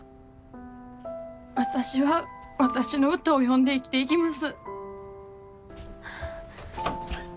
私は私の歌を詠んで生きていきます。